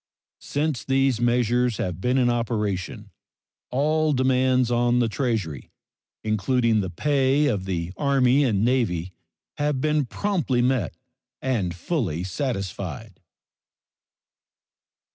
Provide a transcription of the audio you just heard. Since these measures have been in operation all demands on the Treasury, including the pay of the Army and Navy, have been promptly met and fully satisfied.